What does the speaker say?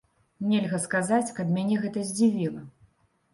Нельга сказаць, каб мяне гэта здзівіла.